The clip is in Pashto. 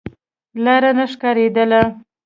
لاره نه ښکارېدله.